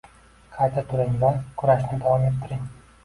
Qayta turing va kurashni davom ettiring!